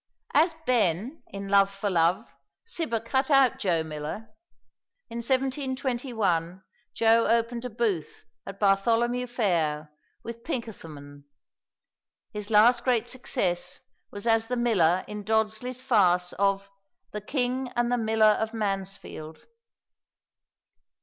As Ben in "Love for Love," Cibber cut out Joe Miller. In 1721 Joe opened a booth at Bartholomew Fair with Pinkethman. His last great success was as the Miller in Dodsley's farce of "The King and the Miller of Mansfield."